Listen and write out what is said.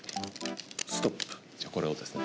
じゃあこれをですね